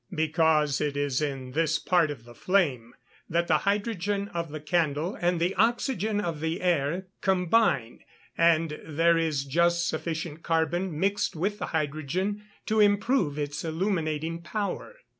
_ Because it is in this part of the flame that the hydrogen of the candle, and the oxygen of the air, combine, and there is just sufficient carbon mixed with the hydrogen to improve its illuminating power.